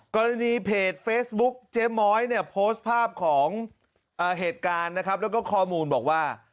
กรณีเพจเฟซบุ๊คเจมส์ม้อยโพสต์ภาพเหตุการณ์และข้อมูลบอกว่า